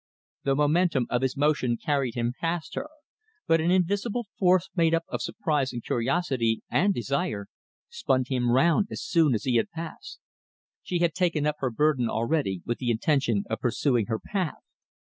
The momentum of his motion carried him past her, but an invisible force made up of surprise and curiosity and desire spun him round as soon as he had passed. She had taken up her burden already, with the intention of pursuing her path.